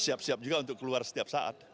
siap siap juga untuk keluar setiap saat